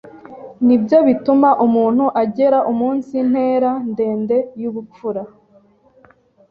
ni byo bituma umuntu agera umunsi ntera ndende y’ubupfura.